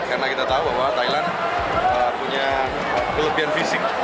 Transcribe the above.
karena kita tahu bahwa thailand punya kelebihan fisik